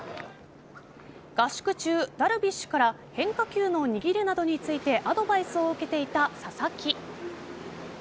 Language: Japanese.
合宿中、ダルビッシュから変化球の握りなどについてアドバイスを受けていた佐々木。